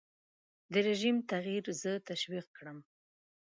رژیم تغییر زه تشویق کړم.